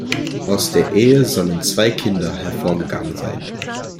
Aus der Ehe sollen zwei Kinder hervorgegangen sein.